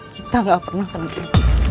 kita gak pernah kena covid